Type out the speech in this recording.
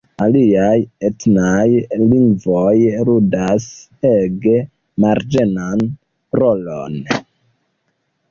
Aliaj etnaj lingvoj ludas ege marĝenan rolon.